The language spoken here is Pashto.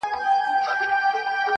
کلي نوې څېره خپلوي ورو,